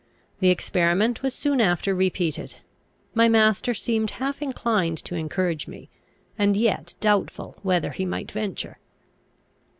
The experiment was soon after repeated. My master seemed half inclined to encourage me, and yet doubtful whether he might venture.